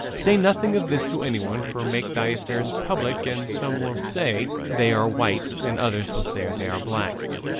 Say nothing of this to anyone; for, make thy affairs public, and some will say they are white and others will say they are black.